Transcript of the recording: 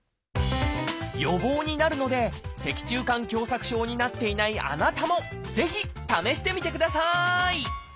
予防になるので脊柱管狭窄症になっていないあなたもぜひ試してみてください！